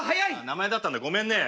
名前だったんだごめんね。